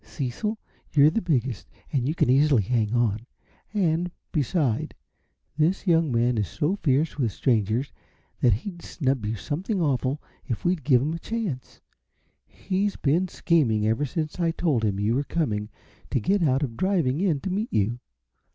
Cecil, you're the biggest and you can easily hang on and, beside, this young man is so fierce with strangers that he'd snub you something awful if we'd give him a chance. He's been scheming, ever since I told him you were coming, to get out of driving in to meet you.